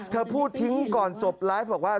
เธอพูดทิ้งก่อนจบไลฟ์บอกว่า